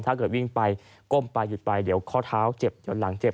ถ้าเกิดวิ่งไปก้มไปหยุดไปเดี๋ยวข้อเท้าเจ็บเดี๋ยวหลังเจ็บ